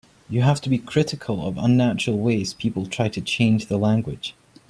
You have to be critical of unnatural ways people try to change the language.